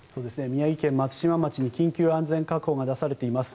宮城県松島町に緊急安全確保が出されています。